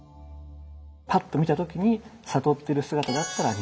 パッと見た時に悟ってる姿だったら如来。